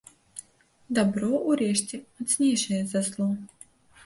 Дабро ўрэшце мацнейшае за зло.